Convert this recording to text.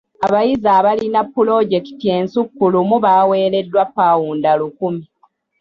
Abayizi abalina pulojekiti ensukkulumu baaweereddwa paawunda lukumi.